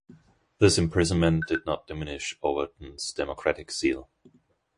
This imprisonment did not diminish Overton's democratic zeal.